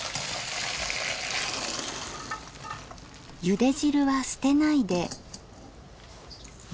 ゆで汁は捨てないで。